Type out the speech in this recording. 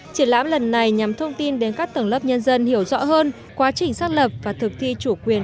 triển lãm lần này nhằm thông tin đến các tầng lớp nhân dân hiểu rõ hơn quá trình xác lập và thực thi chủ quyền